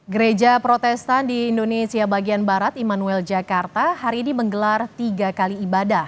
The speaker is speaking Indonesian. gereja protestan di indonesia bagian barat immanuel jakarta hari ini menggelar tiga kali ibadah